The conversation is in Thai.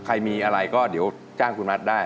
ใครมีอะไรก็เดี๋ยวจ้างคุณมัดได้